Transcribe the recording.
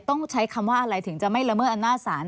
ต้องใช้คำว่าอะไรถึงจะไม่ละเมิดอำนาจศาล